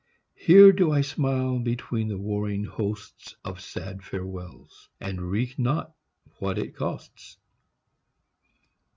Here do I smile between the warring hosts Of sad farewells; and reek not what it costs.